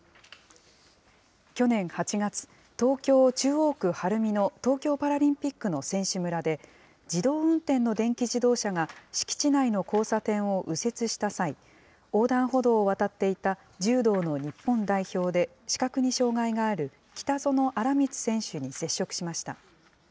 去年８月、東京・中央区晴海の東京パラリンピックの選手村で、自動運転の電気自動車が、敷地内の交差点を右折した際、横断歩道を渡っていた柔道の日本代表で、視覚に障害がある北薗新光選手に接触しました。